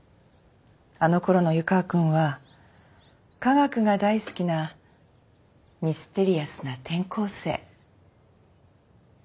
あのころの湯川君は科学が大好きなミステリアスな転校生。